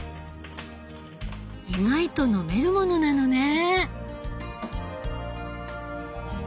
意外と飲めるものなのね。